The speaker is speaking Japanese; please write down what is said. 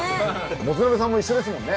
モツナベさんも一緒ですもんね。